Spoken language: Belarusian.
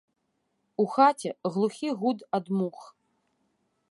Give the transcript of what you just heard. У хаце глухі гуд ад мух.